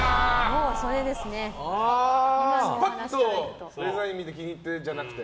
すぱっとデザイン見て気に入ってじゃなくて。